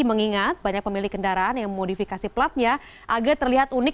mengingat banyak pemilik kendaraan yang memodifikasi platnya agak terlihat unik